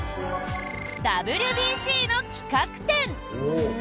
ＷＢＣの企画展！